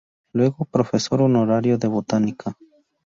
Llegó a profesor honorario de botánica.